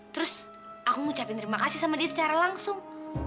terus aku ngucapin terima kasih sama dia secara langsung